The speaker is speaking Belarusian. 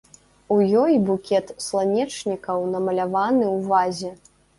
У ёй букет сланечнікаў намаляваны ў вазе.